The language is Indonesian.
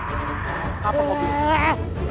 kita harus menjaga keberhasilan istriku